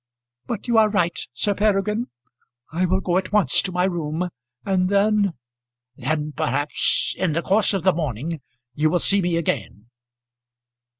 But you are right, Sir Peregrine. I will go at once to my room. And then " "Then, perhaps, in the course of the morning, you will see me again."